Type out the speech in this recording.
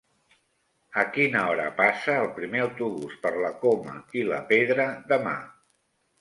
A quina hora passa el primer autobús per la Coma i la Pedra demà?